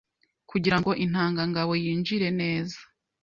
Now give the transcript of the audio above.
kugirango intanga ngabo yinjire neza